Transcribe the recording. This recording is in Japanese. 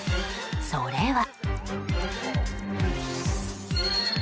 それは。